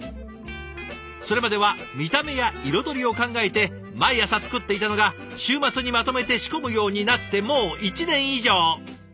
それまでは見た目や彩りを考えて毎朝作っていたのが週末にまとめて仕込むようになってもう１年以上。